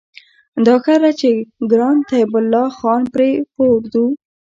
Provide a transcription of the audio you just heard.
دا ښه ده چې ګران طيب الله خان پرې په اردو